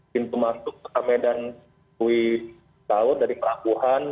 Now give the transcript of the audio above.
pintu masuk ke medan kuitaut dari perakuhan